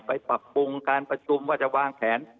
ปรับปรุงการประชุมว่าจะวางแผน